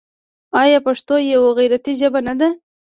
آیا پښتو یوه غیرتي ژبه نه ده؟